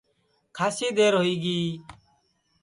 کھاسی دیر ہوئی گی